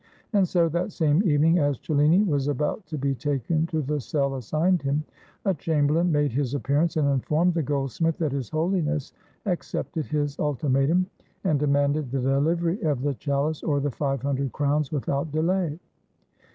And so, that same evening, as Cellini was about to be taken to the cell assigned him, a chamberlain made his appearance and informed the goldsmith that His Holiness accepted his ultimatum, and demanded the dehvery of the chalice or the five hundred crowns without delay.